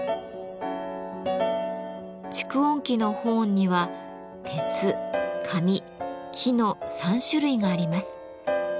蓄音機のホーンには鉄紙木の３種類があります。